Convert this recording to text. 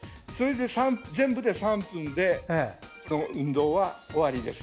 全部で３分でこの運動は終わりです。